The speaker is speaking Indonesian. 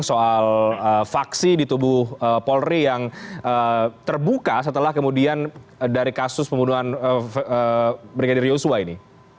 soal faksi di tubuh polri yang terbuka setelah kemudian dari kasus pembunuhan brigadir yosua ini